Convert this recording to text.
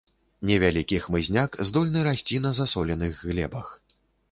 Невялікі хмызняк, здольны расці на засоленых глебах.